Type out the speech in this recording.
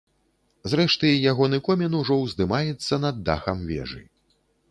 Зрэшты, ягоны комін ужо ўздымаецца над дахам вежы.